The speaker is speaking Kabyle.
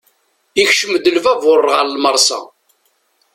Ikcem-d lbabur ɣer lmersa.